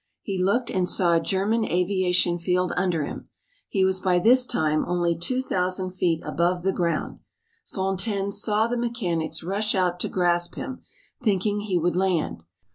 He looked and saw a German aviation field under him. He was by this time only 2,000 feet above the ground. Fontaine saw the mechanics rush out to grasp him, thinking he would land.